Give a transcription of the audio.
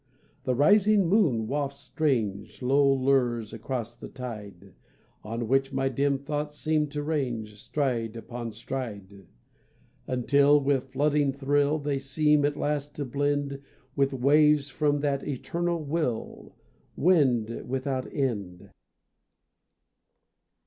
The rising moon wafts strange Low lures across the tide, On which my dim thoughts seem to range, Stride Upon stride, Until, with flooding thrill, They seem at last to blend With waves that from the Eternal Will Wend, Without end.